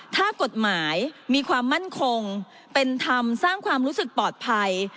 ถ้ากฎหมายมีความมั่นคงเป็นธรรมสร้างความรู้สึกปลอดภัย